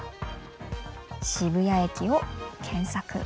渋谷駅を検索。